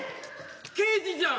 刑事じゃん。